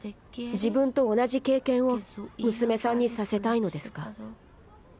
「自分と同じ経験を娘さんにさせたいのですか？」。